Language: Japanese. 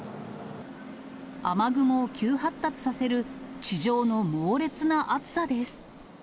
雨雲を急発達させる地上の猛烈な暑さです。